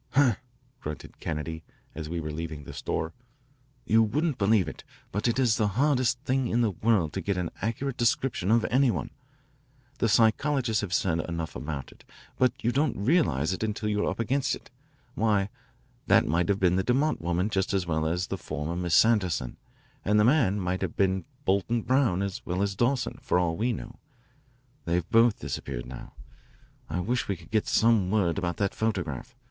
"Humph," grunted Kennedy, as we were leaving the store. "You wouldn't believe it, but it is the hardest thing in the world to get an accurate description of any one. The psychologists have said enough about it, but you don't realise it until you are up against it. Why, that might have been the DeMott woman just as well as the former Miss Sanderson, and the man might have been Bolton Brown as well as Dawson, for all we know. They've both disappeared now. I wish we could get some word about that photograph.